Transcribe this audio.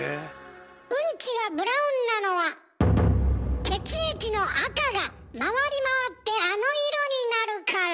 うんちがブラウンなのは血液の赤が回り回ってあの色になるから。